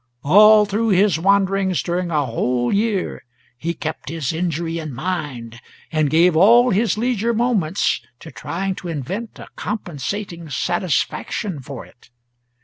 All through his wanderings during a whole year he kept his injury in mind, and gave all his leisure moments to trying to invent a compensating satisfaction for it.